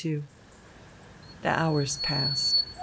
XLII The hours passed.